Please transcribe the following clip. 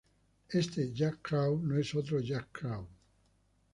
Este Jack Crow no es otro Jack Crow.